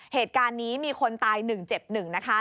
เหตุการณ์นี้มีคนตายหนึ่งเจ็บหนึ่งนะคะ